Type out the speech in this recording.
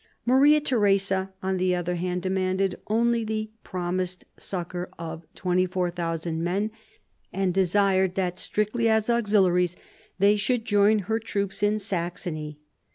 Maria Theresa, on the other hand, demanded only the promised succour of 24,000 men, and desired that, strictly as auxiliaries, they should join her troops in Saxony.